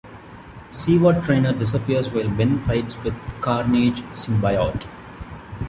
Seward Trainer disappears while Ben fights with the Carnage symbiote.